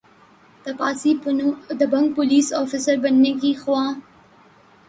تاپسی پنو دبنگ پولیس افسر بننے کی خواہاں